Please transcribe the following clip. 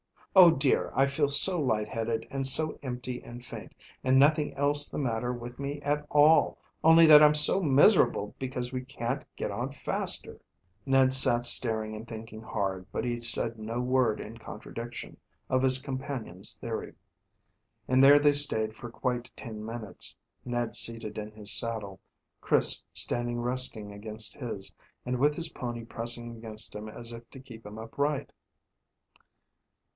Oh dear, I feel so light headed, and so empty and faint, and nothing else the matter with me at all, only that I'm so miserable because we can't get on faster." Ned sat staring and thinking hard, but he said no word in contradiction of his companion's theory. And there they stayed for quite ten minutes, Ned seated in his saddle, Chris standing resting against his, and with his pony pressing against him as if to keep him upright.